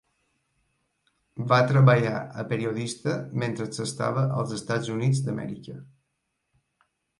Va treballar a periodista mentre s'estava als Estats Units d'Amèrica.